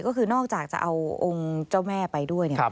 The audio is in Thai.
ก็คือนอกจากจะเอาองค์เจ้าแม่ไปด้วย